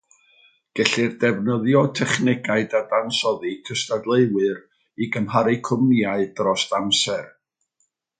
Gellir defnyddio technegau dadansoddi cystadleuwyr i gymharu cwmnïau dros amser.